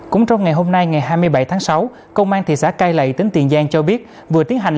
cũng trong ngày hôm nay ngày hai mươi bảy tháng sáu công an thị xã cai lậy tỉnh tiền giang cho biết vừa tiến hành